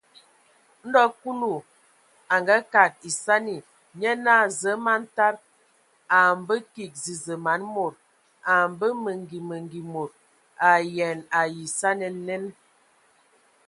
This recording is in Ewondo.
Ndo Kulu a ngakag esani, nye naa: Zǝə, man tada, a a mbǝ kig zəzə man mod. A mbə mengi mengi mod. A ayean ai esani nen !